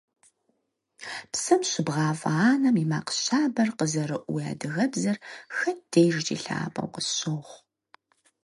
Псэм щыбгъафӀэ анэм и макъ щабэр къызэрыӀу уи адыгэбзэр хэт дежкӀи лъапӀэу къысщохъу.